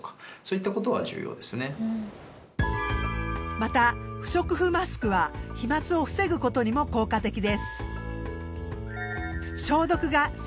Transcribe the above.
また不織布マスクは飛沫を防ぐことにも効果的です。